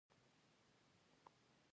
شاته پاتې کسان هم د ټولنې برخه دي.